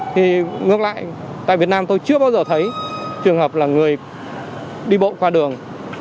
thì ngược lại tại việt nam tôi chưa bao giờ thấy trường hợp là người đi bộ qua đường